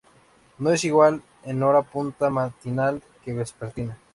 No es igual en hora punta matinal que vespertina.